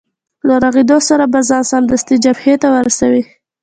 له رغېدو سره به ځان سمدستي جبهې ته ورسوې.